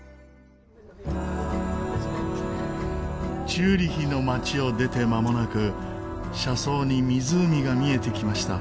チューリヒの街を出てまもなく車窓に湖が見えてきました。